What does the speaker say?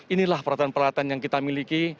inilah peralatan peralatan yang kita miliki